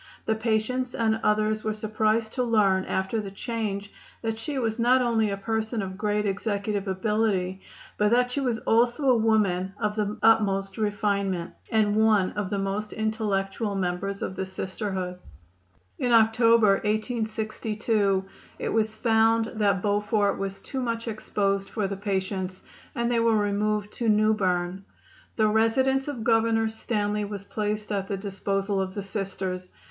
The patients and others were surprised to learn, after the change, that she was not only a person of great executive ability, but that she was also a woman of the utmost refinement, and one of the most intellectual members of the Sisterhood. In October, 1862, it was found that Beaufort was too much exposed for the patients, and they were removed to Newberne. The residence of Governor Stanley was placed at the disposal of the Sisters.